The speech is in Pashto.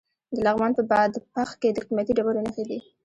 د لغمان په بادپخ کې د قیمتي ډبرو نښې دي.